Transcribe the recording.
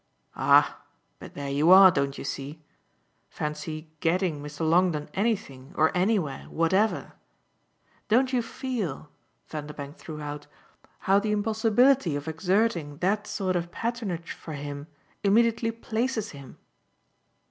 "Ah but there you are, don't you see? Fancy 'getting' Mr. Longdon anything or anywhere whatever! Don't you feel," Vanderbank threw out, "how the impossibility of exerting that sort of patronage for him immediately places him?"